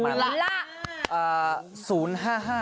เอาละ